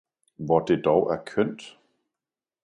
hvor det dog er kønt!